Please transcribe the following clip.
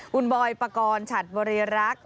คุณบอยปกรณ์ฉัดบริรักษ์